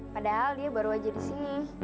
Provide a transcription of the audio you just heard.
padahal dia baru aja disini